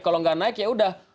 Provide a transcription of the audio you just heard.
kalau nggak naik ya udah